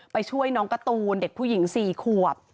ไปช่วยน้องการ์ตูนเด็กผู้หญิง๔ขวบ